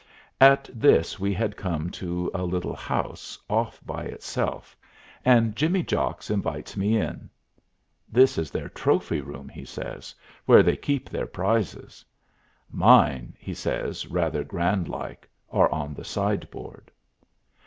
At this we had come to a little house off by itself, and Jimmy Jocks invites me in. "This is their trophy room," he says, "where they keep their prizes. Mine," he says, rather grand like, "are on the sideboard."